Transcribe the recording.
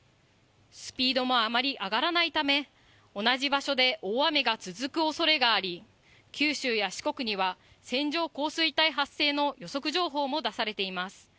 スピードもあまり上がらないため、同じ場所で大雨が続くおそれがあり、九州や四国には線状降水帯発生の予測情報もだされています。